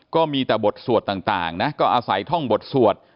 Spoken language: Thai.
ก็มีแต่บทสวดต่างนะก็อาศัยท่องบทสวด